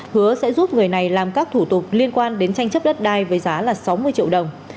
hứa sẽ giúp người này làm các thủ tục liên quan đến tranh chấp đất đai với giá là sáu mươi triệu đồng